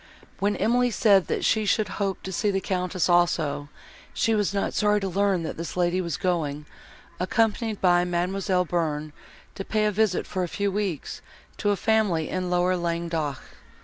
When Emily said that she should hope to see the Countess also, she was not sorry to learn that this lady was going, accompanied by Mademoiselle Bearn, to pay a visit, for a few weeks, to a family in lower Languedoc.